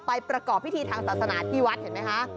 ประกอบพิธีทางศาสนาที่วัดเห็นไหมคะ